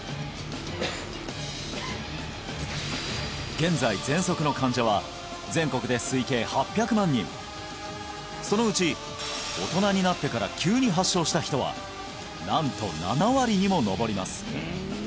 現在喘息の患者は全国で推計８００万人そのうち大人になってから急に発症した人はなんと７割にも上ります